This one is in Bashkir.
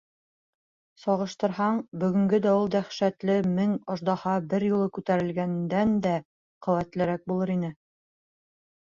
Сағыштырһаң, бөгөнгө дауыл дәһшәтле мең «аждаһа» бер юлы күтәрелгәндән дә ҡеүәтлерәк булыр ине.